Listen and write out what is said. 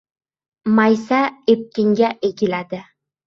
Maysa epkinga egiladi!